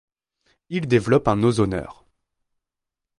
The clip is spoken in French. Il développe un ozoneur.